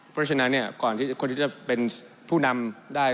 เพราะฉะนั้นเนี่ยก่อนที่คนที่จะเป็นผู้นำได้